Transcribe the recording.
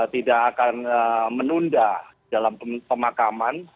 tidak akan menunda dalam pemakaman